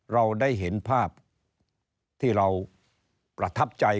เราได้เห็นภาพที่เราประทับใจ